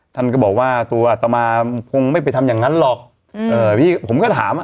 ท่านก็บอกว่าตัวอัตมาคงไม่ไปทำอย่างนั้นหรอกอืมเอ่อพี่ผมก็ถามอ่ะ